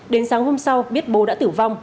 đến sáng hôm sau biết bố đã tử vong